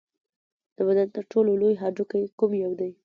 د بدن تر ټولو لوی هډوکی کوم یو دی